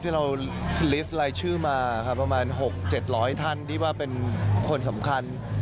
ที่เราลิสต์รายชื่อมาครับประมาณ๖๗๐๐ท่านที่ว่าเป็นคนสำคัญ